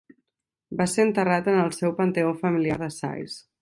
Va ser enterrat en el seu panteó familiar de Sais.